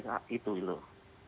iya itu loh